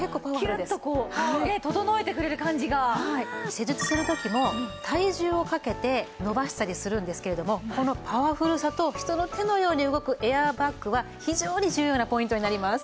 施術する時も体重をかけて伸ばしたりするんですけれどもこのパワフルさと人の手のように動くエアバッグは非常に重要なポイントになります。